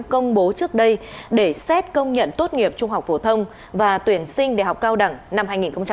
công bố trước đây để xét công nhận tốt nghiệp trung học phổ thông và tuyển sinh đại học cao đẳng năm hai nghìn hai mươi